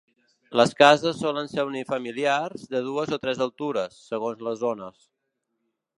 Les cases solen ser unifamiliars, de dues o tres altures, segons les zones.